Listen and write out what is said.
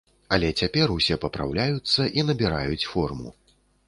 Але цяпер усе папраўляюцца і набіраюць форму.